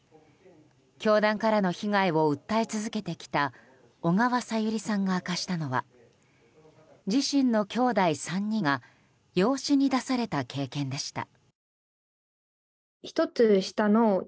教団からの被害を訴え続けてきた小川さゆりさんが明かしたのは自身のきょうだい３人が養子に出された経験でした。